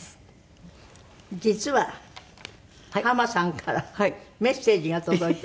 実は浜さんからメッセージが届いています。